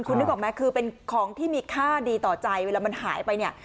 คุณนึกออกไหมคือเป็นของที่มีค่าดีต่อใจเวลามันหายไปเนี่ย